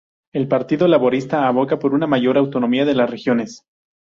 El partido laborista aboga por una mayor autonomía de las regiones.